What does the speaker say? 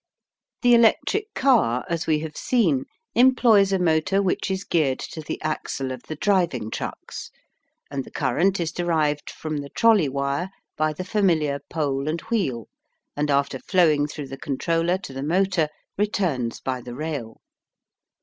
The electric car, as we have seen, employs a motor which is geared to the axle of the driving trucks, and the current is derived from the trolley wire by the familiar pole and wheel and after flowing through the controller to the motor returns by the rail.